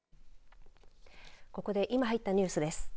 ここで今入ったニュースです。